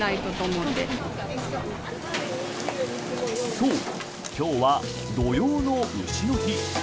そう、今日は土用の丑の日。